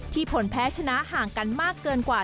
ผลแพ้ชนะห่างกันมากเกินกว่า